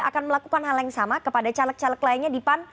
akan melakukan hal yang sama kepada caleg caleg lainnya di pan